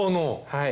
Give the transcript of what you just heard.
はい。